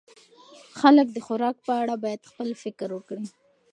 خلک د خوراک په اړه باید خپل فکر وکړي.